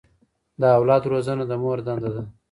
د اولاد روزنه د مور دنده ده.